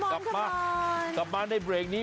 กลับมากลับมาในเบรกนี้